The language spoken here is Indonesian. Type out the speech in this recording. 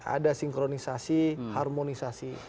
ada sinkronisasi harmonisasi